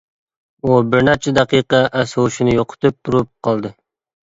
ئۇ بىرنەچچە دەقىقە ئەس-ھوشىنى يوقىتىپ تۇرۇپ قالدى.